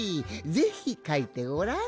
ぜひかいてごらん。